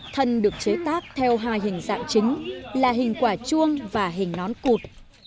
thân được chế tác theo hai hình dạng chính là hình quả chuông và hình nón cụt